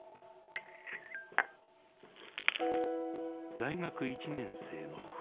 大学１年生の冬。